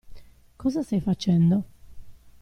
Cosa stai facendo?